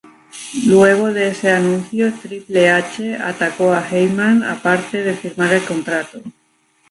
Luego de ese anuncio, Triple H atacó a Heyman aparte de firmar el contrato.